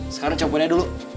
sekarang campurnya dulu